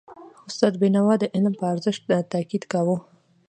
استاد بینوا د علم پر ارزښت تاکید کاوه.